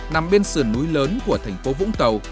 nằm bên sườn núi lớn của thành phố vũng tàu